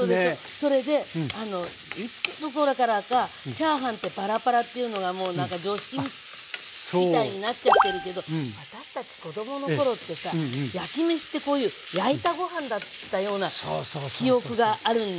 それでいつのころからかチャーハンってパラパラッというのがもう常識みたいになっちゃってるけど私たち子供の頃ってさ焼きめしってこういう焼いたご飯だったような記憶があるのよね。